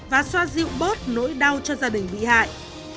và xoa dịu bớt nỗi đau cho gia đình bị hại